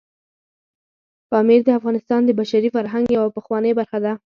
پامیر د افغانستان د بشري فرهنګ یوه پخوانۍ برخه ده.